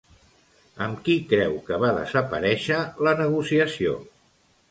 Amb qui creu que va desaparèixer la negociació?